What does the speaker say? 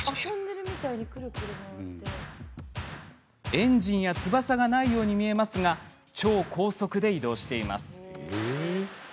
エンジンや翼がないように見えますが超高速で移動しています。